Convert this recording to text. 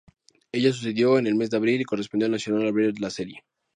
Ello sucedió en el mes de abril y correspondió al Nacional abrir la serie.